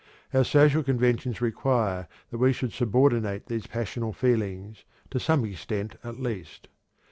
Our social conventions require that we should subordinate these passional feelings, to some extent at least.